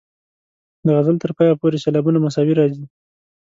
د غزل تر پایه پورې سېلابونه مساوي راځي.